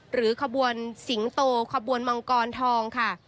ขบวนสิงโตขบวนมังกรทองค่ะ